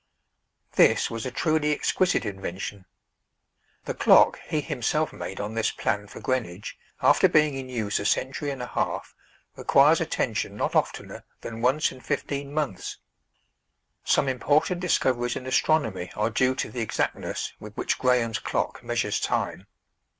This was a truly exquisite invention. The clock he himself made on this plan for Greenwich, after being in use a century and a half, requires attention not oftener than once in fifteen months. Some important discoveries in astronomy are due to the exactness with which Graham's clock measures time.